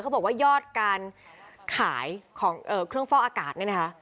บอกว่ายอดการขายของเครื่องฟอกอากาศเนี่ยนะคะ